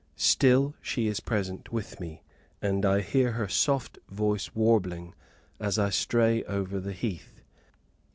Still she is present with me, and I hear her soft voice warbling as I stray over the heath.